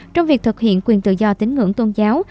trong việc thực hiện quyền tự do tín ngưỡng tôn giáo